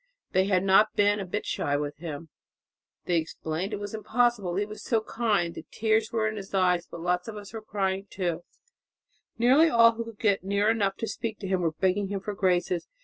They had not been a bit shy with him, they explained it was impossible, he was so kind. 'The tears were in his eyes but lots of us were crying too,' nearly all who could get near enough to speak to him were begging him for graces.